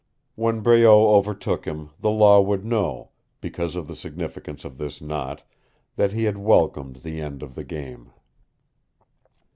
When Breault overtook him the law would know, because of the significance of this knot, that he had welcomed the end of the game.